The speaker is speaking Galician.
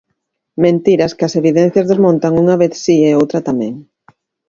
Mentiras que as evidencias desmontan unha vez si e outra tamén.